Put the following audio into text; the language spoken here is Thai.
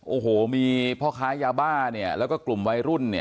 โอ้โหมีพ่อขายยาบ้าแล้วก็กลุ่มวัยรุ่นน่ะ